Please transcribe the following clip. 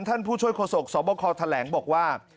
ท่านผู้ช่วยโคสกสบคแถลงบอกว่า